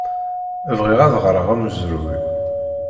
Bɣiɣ ad ɣreɣ amezruy.